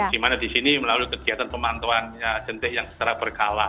di mana di sini melalui kegiatan pemantauan jentik yang secara berkala